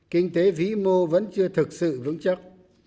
kinh tế vĩ mô vẫn chưa thực sự vững chắc